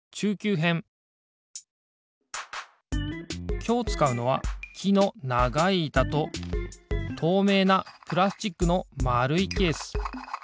きょうつかうのはきのながいいたととうめいなプラスチックのまるいケース。